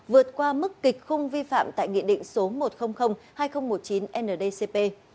vượt qua mức kịch không vi phạm tại nghị định số một triệu hai nghìn một mươi chín ndcp